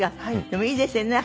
でもいいですよね。